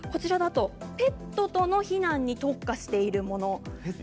ペットとの避難に特化しているもの。